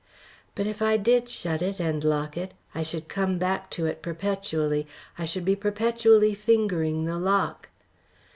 But if I did shut it and lock it I should come back to it perpetually, I should be perpetually fingering the lock.